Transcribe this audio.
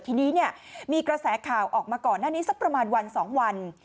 ทีนี้มีกระแสข่าวออกมาก่อนหน้านี้สักประมาณวัน๒วัน